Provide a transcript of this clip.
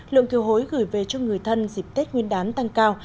lượng kiều hối gửi về cho người thân dịp tết nguyên đán tăng cao